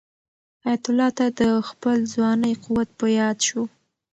حیات الله ته د خپل ځوانۍ قوت په یاد شو.